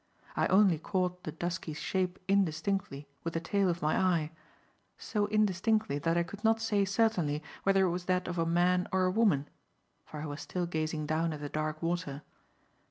I only caught the dusky shape indistinctly with the tail of my eye; so indistinctly that I could not say certainly whether it was that of a man or a woman, for I was still gazing down at the dark water.